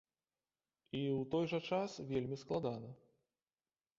І ў той жа час вельмі складана.